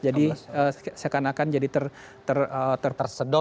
jadi seakan akan jadi tersedot